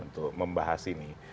untuk membahas ini